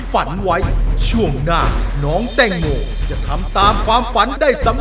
แต่ข้าตัวน้องรับรอมืออย่างเดิม